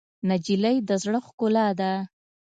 نجلۍ د زړه ښکلا ده.